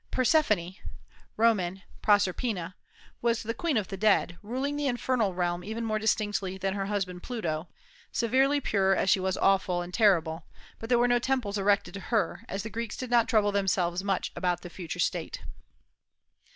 Persephone (Roman Proserpina) was the queen of the dead, ruling the infernal realm even more distinctly than her husband Pluto, severely pure as she was awful and terrible; but there were no temples erected to her, as the Greeks did not trouble themselves much about the future state.